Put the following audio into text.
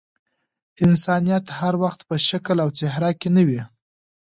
انسانيت هر وخت په شکل او څهره کي نه وي.